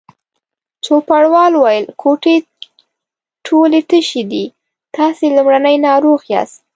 چوپړوال وویل: کوټې ټولې تشې دي، تاسې لومړنی ناروغ یاست.